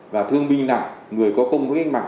và thương binh nặng người có công với cách mạng